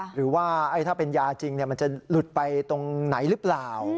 หรือว่าถ้าเป็นยาจริงมันจะหลุดไปตรงไหนหรือเปล่า